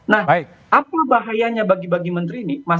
nah apa bahayanya bagi bagi menteri ini